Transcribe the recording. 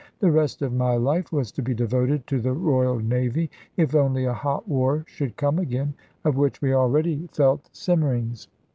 The rest of my life was to be devoted to the Royal Navy, if only a hot war should come again; of which we already felt simmerings.